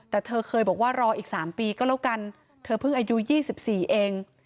แต่เธอเคยบอกว่ารออีก๓ปีก็แล้วกันเธอเพิ่งอายุ๒๔เอง